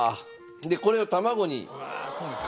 でこれを卵に。